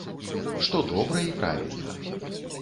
Што добра і правільна.